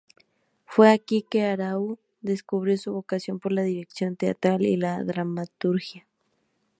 Fue aquí que Arrau descubrió su vocación por la dirección teatral y la dramaturgia.